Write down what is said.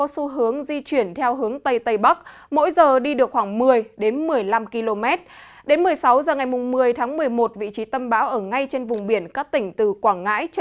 xin chào các bạn